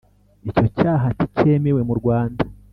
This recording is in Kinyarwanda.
icyo cyaha ntikemewe mu Rwanda